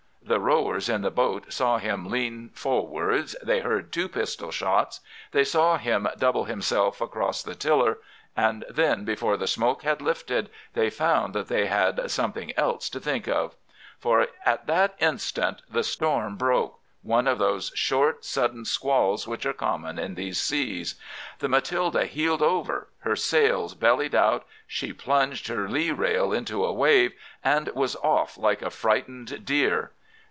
"The rowers in the boat saw him lean forwards, they heard two pistol shots, they saw him double himself across the tiller, and then, before the smoke had lifted, they found that they had something else to think of. "For at that instant the storm broke—one of those short sudden squalls which are common in these seas. The Matilda heeled over, her sails bellied out, she plunged her lee rail into a wave, and was off like a frightened deer.